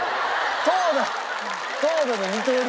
投打投打の二刀流？